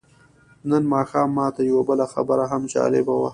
نن ماښام ماته یوه بله خبره هم جالبه وه.